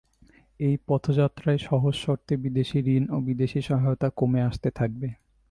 এই পথযাত্রায় সহজ শর্তে বিদেশি ঋণ ও বিদেশি সহায়তা কমে আসতে থাকবে।